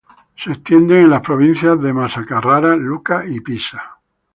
Se extienden en las provincias de Massa-Carrara, Lucca y Pisa.